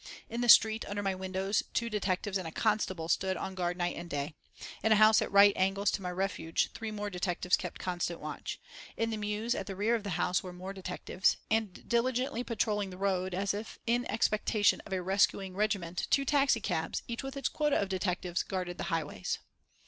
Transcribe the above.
In the street under my windows two detectives and a constable stood on guard night and day. In a house at right angles to my refuge three more detectives kept constant watch. In the mews at the rear of the house were more detectives, and diligently patrolling the road, as if in expectation of a rescuing regiment, two taxicabs, each with its quota of detectives, guarded the highways.